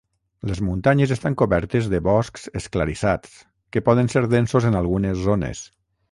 Les muntanyes estan cobertes de boscs esclarissats que poden ser densos en algunes zones.